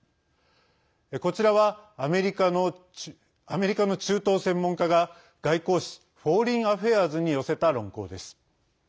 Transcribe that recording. こちらはアメリカの中東専門家が外交誌「フォーリン・アフェアーズ」に寄せた論考です。